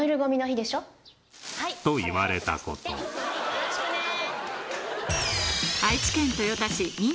よろしくね。ねぇ。